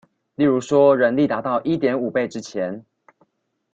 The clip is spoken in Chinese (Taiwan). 例如說人力達到一點五倍之前